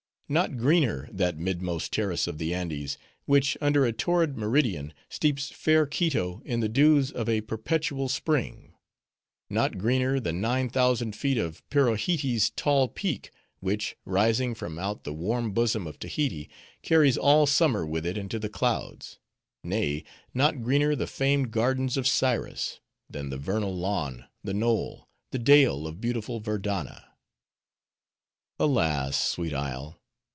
Not greener that midmost terrace of the Andes, which under a torrid meridian steeps fair Quito in the dews of a perpetual spring;—not greener the nine thousand feet of Pirohitee's tall peak, which, rising from out the warm bosom of Tahiti, carries all summer with it into the clouds;—nay, not greener the famed gardens of Cyrus,—than the vernal lawn, the knoll, the dale of beautiful Verdanna. "Alas, sweet isle!